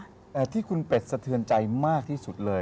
แต่ที่คุณเป็ดสะเทือนใจมากที่สุดเลย